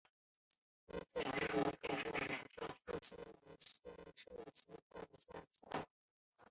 伊斯兰国透过阿马克新闻社宣称其犯下此案。